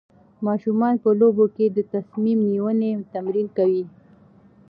ماشومان په لوبو کې د تصمیم نیونې تمرین کوي.